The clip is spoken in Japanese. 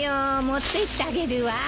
持ってってあげるわ。